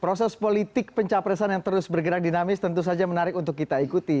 proses politik pencapresan yang terus bergerak dinamis tentu saja menarik untuk kita ikuti